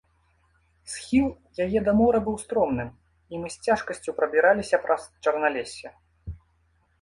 Схіл яе да мора быў стромым, і мы з цяжкасцю прабіраліся праз чарналессе.